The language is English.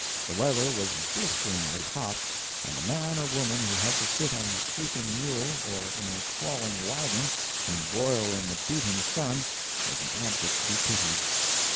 The weather was blisteringly hot, and the man or woman who had to sit on a creeping mule, or in a crawling wagon, and broil in the beating sun, was an object to be pitied.